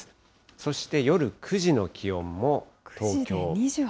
そして夜９時の気温も東京。